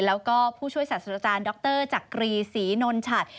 แล้วก็ผู้ช่วยศาสตราจารย์ดรจักรีศรีนนชัด